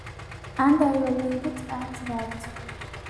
And I’ll leave it at that.